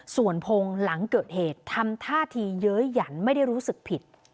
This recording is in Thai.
ส่วนพงศ์หลังเกิดเหตุทำท่าทีเย้ยหยันไม่ได้รู้สึกผิด